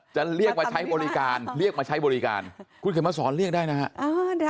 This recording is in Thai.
จะเรียกมาใช้บริการเรียกมาใช้บริการคุณเข็มมาสอนเรียกได้นะฮะ